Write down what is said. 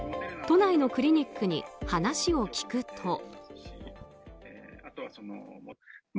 都内のクリニックに話を聞くと。